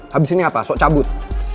habis ini apa sok cabut